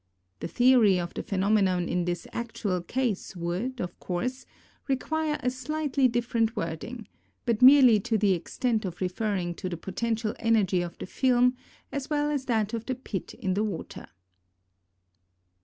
The theory of the phenomenon in this actual case would, of course, require a slightly different wording, but merely to the extent of referring to the potential energy of the film as well as that of the pit in the water.